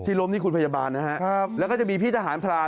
ล้มที่คุณพยาบาลนะฮะครับแล้วก็จะมีพี่ทหารพราน